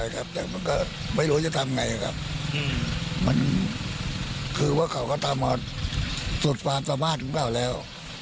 ถ้าพ่อไม่ได้มีโอกาสเจอน้องอีกแล้ว